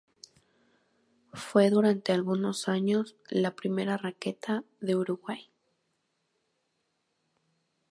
Fue durante algunos años la "primera raqueta" de Uruguay.